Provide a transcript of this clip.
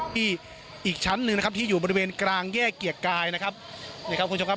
ที่อีกชั้นหนึ่งนะครับที่อยู่บริเวณกลางแย่เกียกกายนะครับ